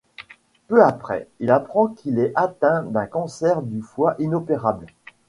Peu après, il apprend qu'il est atteint d'un cancer du foie inopérable.